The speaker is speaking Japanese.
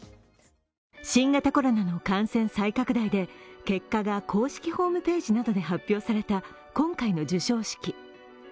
新型コロナの感染再拡大で結果が公式ホームページなどで発表された今回の授賞式。